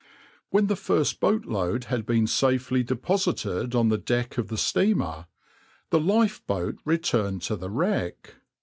\par When the first boatload had been safely deposited on the deck of the steamer, the lifeboat returned to the wreck.